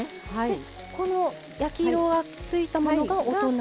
この焼き色がついたものがお隣。